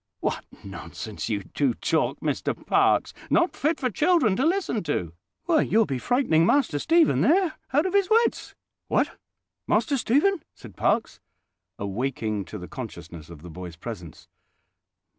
"What nonsense you do talk, Mr Parkes—not fit for children to listen to! Why, you'll be frightening Master Stephen there out of his wits." "What! Master Stephen?" said Parkes, awaking to the consciousness of the boy's presence.